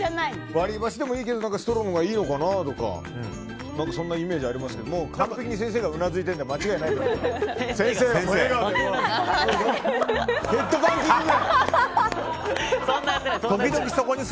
割り箸でもいいけどストローのほうがいいのかなってそんなイメージありますけど完璧に先生がうなずいているので間違いないと思います。